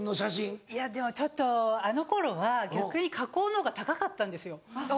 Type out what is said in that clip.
いやでもちょっとあの頃は逆に加工の方が高かったんですよ。